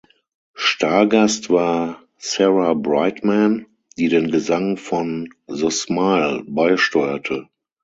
Stargast war Sarah Brightman, die den Gesang von "The Smile" beisteuerte.